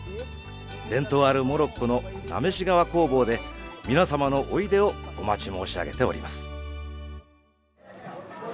伝統あるモロッコのなめし革工房で皆様のおいでをお待ち申し上げております。